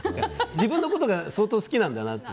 自分のことが相当好きなんだろうなって。